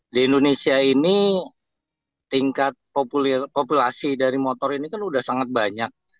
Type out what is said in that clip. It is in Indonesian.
di indonesia ini tingkat populasi dari motor ini kan sudah sangat banyak